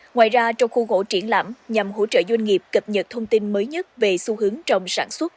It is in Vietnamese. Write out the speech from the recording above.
ngoài ra trong khu gỗ triển lãm nhằm hỗ trợ doanh nghiệp cập nhật thông tin mới nhất về xu hướng trong sản xuất